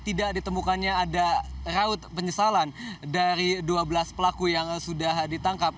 tidak ditemukannya ada raut penyesalan dari dua belas pelaku yang sudah ditangkap